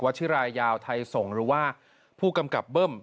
ชิรายาวไทยส่งหรือว่าผู้กำกับเบิ้ม